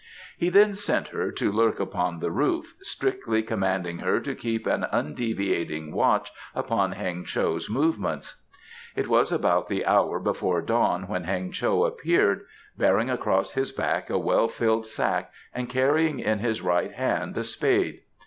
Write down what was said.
He then sent her to lurk upon the roof, strictly commanding her to keep an undeviating watch upon Heng cho's movements. It was about the hour before dawn when Heng cho appeared, bearing across his back a well filled sack and carrying in his right hand a spade.